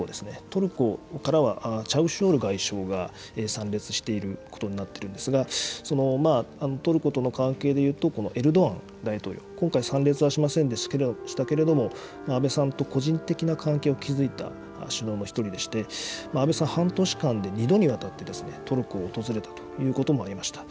トルコからは、チャウシュオール外相が参列していることになってるんですが、そのトルコとの関係でいうと、エルドアン大統領、今回参列はしませんでしたけれども、安倍さんと個人的な関係を築いた首脳の一人でして、安倍さん、半年間で２度にわたってですね、トルコを訪れたということもありました。